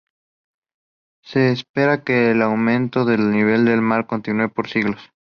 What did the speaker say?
Se espera que el aumento del nivel del mar continúe por siglos.